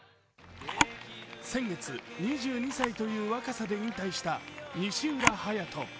先月、２２歳という若さで引退した西浦颯大。